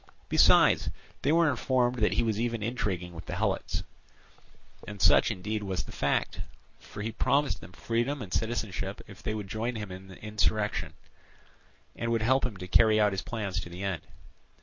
Besides, they were informed that he was even intriguing with the Helots; and such indeed was the fact, for he promised them freedom and citizenship if they would join him in insurrection and would help him to carry out his plans to the end.